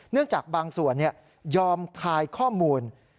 จากบางส่วนยอมคายข้อมูล